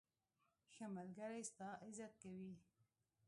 ښه ملګری ستا عزت کوي.